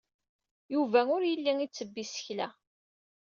Yuba ur yelli ittebbi isekla.